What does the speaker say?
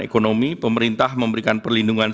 ekonomi pemerintah memberikan perlindungan